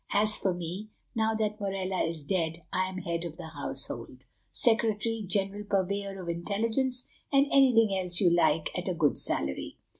As for me, now that Morella is dead, I am head of the household—secretary, general purveyor of intelligence, and anything else you like at a good salary."